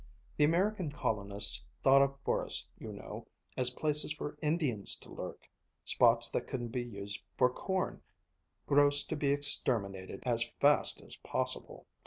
The American colonists thought of forests, you know, as places for Indians to lurk, spots that couldn't be used for corn, growths to be exterminated as fast as possible."